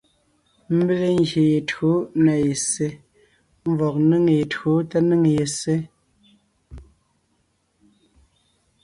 Ḿbéle ngyè ye tÿǒ na ye ssé (ḿvɔg ńnéŋ ye tÿǒ tá ńnéŋ ye ssé).